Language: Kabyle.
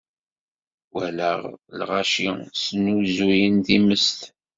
Waleɣ lɣaci snusuyen timest.